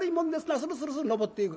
スルスルスル登っていく。